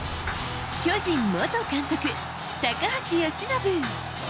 巨人元監督・高橋由伸。